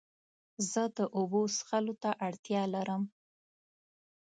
زه د اوبو څښلو ته اړتیا لرم.